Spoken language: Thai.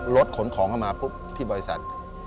ลดขนของเข้ามาที่บริษัท